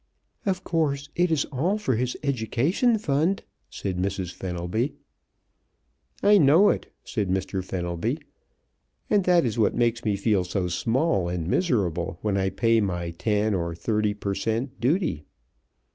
"Of course it is all for his education fund," said Mrs. Fenelby. "I know it," said Mr. Fenelby, "and that is what makes me feel so small and miserable when I pay my ten or thirty per cent. duty.